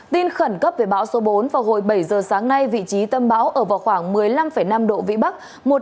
tin khẩn cấp về bão số bốn vào hồi bảy giờ sáng nay vị trí tâm bão ở vào khoảng một mươi năm năm độ vĩ bắc